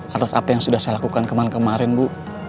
atas apa yang sudah saya lakukan kemarin kemarin bu